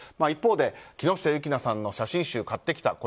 一方で、木下優樹菜さんの写真集を買ってきた。